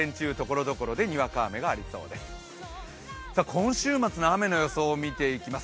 今週末の雨の予想を見ていきます。